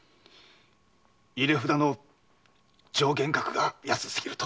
入れ札の上限額が安すぎると。